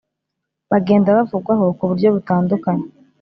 bagenda bavugwaho ku buryo butandukanye.